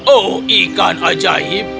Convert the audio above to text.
oh ikan ajaib